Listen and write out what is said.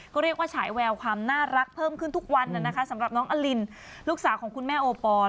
ก็เรียกว่าฉายแววความน่ารักเพิ่มขึ้นทุกวันนะคะสำหรับน้องอลินลูกสาวของคุณแม่โอปอล